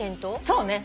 そうね。